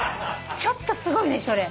ちょっとすごいねそれ。